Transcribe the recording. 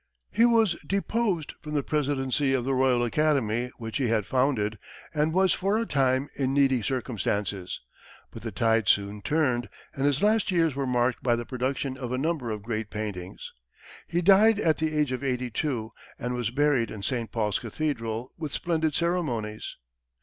He was deposed from the Presidency of the Royal Academy, which he had founded, and was for a time in needy circumstances; but the tide soon turned, and his last years were marked by the production of a number of great paintings. He died at the age of eighty two, and was buried in St. Paul's Cathedral with splendid ceremonies.